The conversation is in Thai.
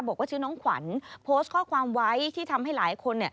บอกว่าชื่อน้องขวัญโพสต์ข้อความไว้ที่ทำให้หลายคน